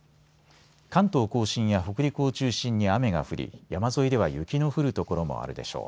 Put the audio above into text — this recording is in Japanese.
関東甲信や北陸を中心に雨が降り山沿いでは雪の降る所もあるでしょう。